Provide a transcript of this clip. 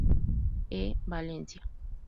E. Valencia.